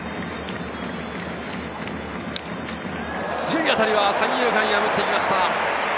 強い当たりは三遊間を破っていきました。